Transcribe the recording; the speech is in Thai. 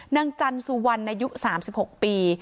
นางจันสุวรรณอายุ๓๖ปี